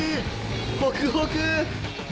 ホクホク！